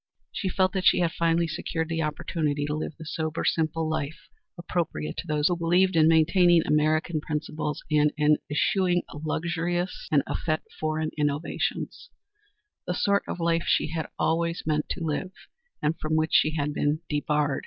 She felt that she had finally secured the opportunity to live the sober, simple life appropriate to those who believed in maintaining American principles, and in eschewing luxurious and effete foreign innovations; the sort of life she had always meant to live, and from which she had been debarred.